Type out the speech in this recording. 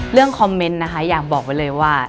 คอมเมนต์นะคะอยากบอกไว้เลยว่า